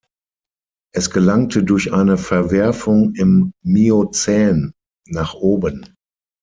Es gelangte durch eine Verwerfung im Miozän nach oben.